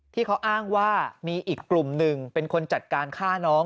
ที่เขาอ้างว่ามีอีกกลุ่มหนึ่งเป็นคนจัดการฆ่าน้อง